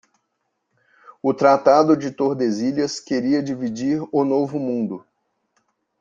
O tratado de Tordesilhas queria dividir o novo mundo.